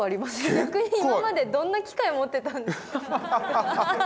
逆に今までどんな機械を持ってたんですか？